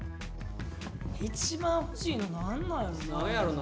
一番欲しいの何なんやろな。